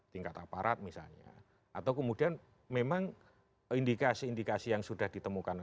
tingkat aparat misalnya atau kemudian memang indikasi indikasi yang suka orasinya susa atau